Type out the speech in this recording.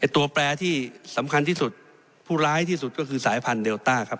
ตัวแปรที่สำคัญที่สุดผู้ร้ายที่สุดก็คือสายพันธุเดลต้าครับ